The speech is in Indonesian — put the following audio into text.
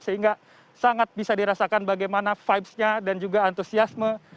sehingga sangat bisa dirasakan bagaimana vibesnya dan juga antusiasme